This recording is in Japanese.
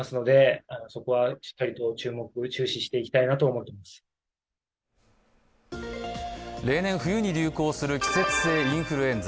一方で例年冬に流行する季節性インフルエンザ。